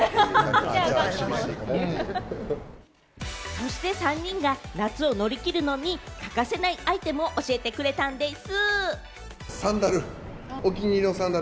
そして３人が夏を乗り切るのに欠かせないアイテムを教えてくれたんでぃす。